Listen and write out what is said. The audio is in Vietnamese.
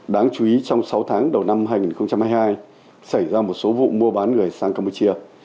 đáng chú ý trong sáu tháng đầu năm hai nghìn hai mươi hai xảy ra một số vụ mua bán người sang campuchia